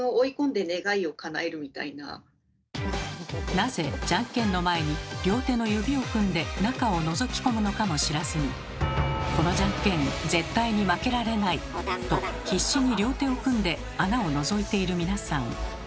なぜじゃんけんの前に両手の指を組んで中をのぞき込むのかも知らずにこのじゃんけん絶対に負けられないと必死に両手を組んで穴をのぞいている皆さん。